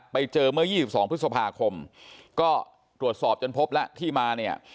ไปเจอเมื่อ๒๒พฤษภาคมก็ตรวจสอบจนพบแล้วที่มาเนี่ย